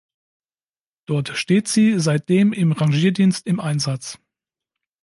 Dort steht sie seitdem im Rangierdienst im Einsatz.